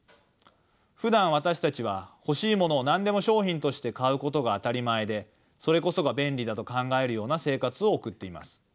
ふだん私たちは欲しいものを何でも商品として買うことが当たり前でそれこそが便利だと考えるような生活を送っています。